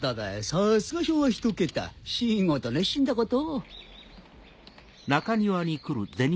さすが昭和ひとケタ仕事熱心だこと。